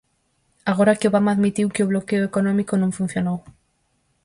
Agora que Obama admitiu que o bloqueo económico non funcionou.